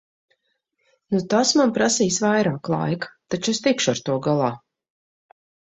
Tas man prasīs vairāk laika, taču es tikšu ar to galā.